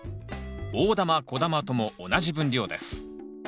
大玉小玉とも同じ分量です。